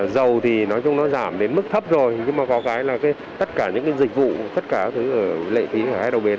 nói chung nó giảm đến mức thấp rồi nhưng mà có cái là tất cả những dịch vụ tất cả lệ phí ở hai đầu bến